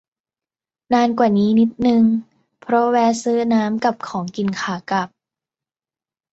นานกว่านี้นิดนึง เพราะแวะซื้อน้ำกับของกินขากลับ